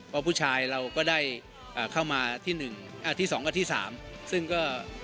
พวกผู้ชายเราก็ได้เข้ามาที่๒กับที่๓ซึ่งก็